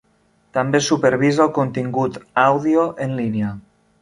També supervisa el contingut àudio en línia.